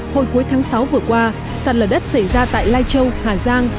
hồi cuối tháng sáu vừa qua sạt lở đất xảy ra tại lai châu hà giang